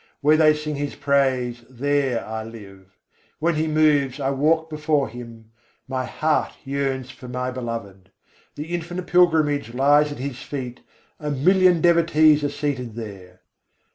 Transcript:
Where they sing His praise, there I live; When He moves, I walk before Him: my heart yearns for my Beloved. The infinite pilgrimage lies at His feet, a million devotees are seated there.